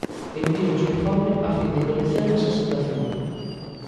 Envíovos o informe a fin de coñecerdes a situación